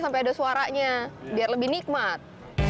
sampai ada suaranya biar lebih nikmat